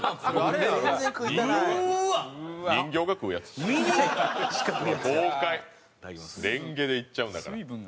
れんげでいっちゃうんだから。